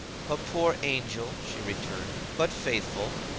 'A poor angel,' she returned, 'but faithful.